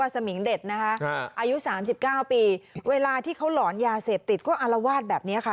สมิงเด็ดนะคะอายุ๓๙ปีเวลาที่เขาหลอนยาเสพติดก็อารวาสแบบนี้ค่ะ